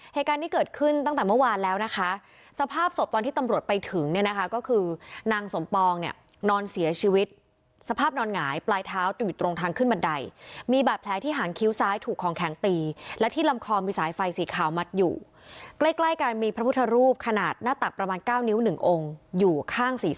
เหตุการณ์นี้เกิดขึ้นตั้งแต่เมื่อวานแล้วนะคะสภาพศพตอนที่ตำรวจไปถึงเนี่ยนะคะก็คือนางสมปองเนี่ยนอนเสียชีวิตสภาพนอนหงายปลายเท้าจะอยู่ตรงทางขึ้นบันไดมีบาดแผลที่หางคิ้วซ้ายถูกของแข็งตีและที่ลำคอมีสายไฟสีขาวมัดอยู่ใกล้ใกล้กันมีพระพุทธรูปขนาดหน้าตักประมาณ๙นิ้วหนึ่งองค์อยู่ข้าง